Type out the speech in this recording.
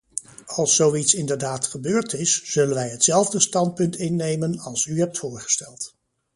Als zoiets inderdaad gebeurd is, zullen wij hetzelfde standpunt innemen als u hebt voorgesteld.